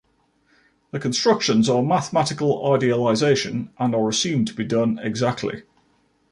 The constructions are a mathematical idealization and are assumed to be done exactly.